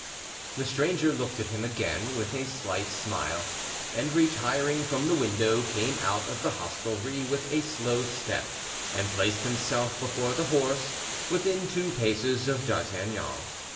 The stranger looked at him again with a slight smile, and retiring from the window, came out of the hostelry with a slow step, and placed himself before the horse, within two paces of D'Artagnan.